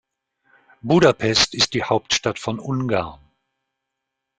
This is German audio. Budapest ist die Hauptstadt von Ungarn.